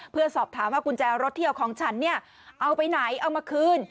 เพื่อสอบถามว่ากุญแจรถที่เอาของฉันเนี่ยเอาไปไหนเอามาคืน